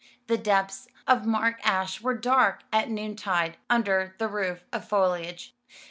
The depths of Mark Ash were dark at noontide under their roof of foliage.